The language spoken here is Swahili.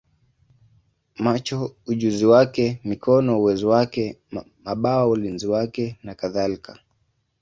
macho ujuzi wake, mikono uwezo wake, mabawa ulinzi wake, nakadhalika.